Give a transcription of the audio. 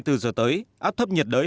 trong hai mươi bốn h tới áp thấp nhiệt đới